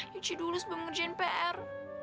cuci dulu sebelum ngerjain pr